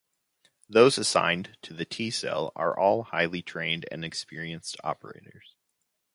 Those assigned to the T-Cell are all highly trained and experienced operators.